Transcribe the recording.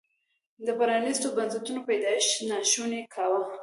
د پرانیستو بنسټونو پیدایښت ناشونی کاوه.